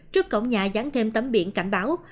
trước cổng nhà dán thêm tấm biển cảnh báo